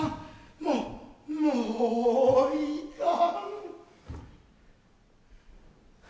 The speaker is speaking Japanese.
もうもういかん。